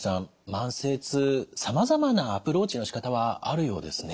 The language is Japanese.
慢性痛さまざまなアプローチのしかたはあるようですね。